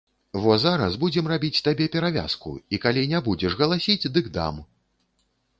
Во зараз будзем рабіць табе перавязку, і калі не будзеш галасіць, дык дам!